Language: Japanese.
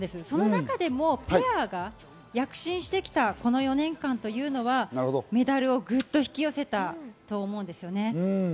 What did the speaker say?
そんな中でもペアが躍進してきたこの４年間というのはメダルをぐっと引き寄せたと思います。